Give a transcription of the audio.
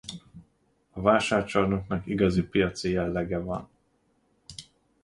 A vásárcsarnoknak igazi piaci jellege van.